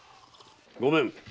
・ごめん。